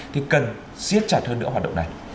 thì sẽ được giết chặt hơn nữa hoạt động này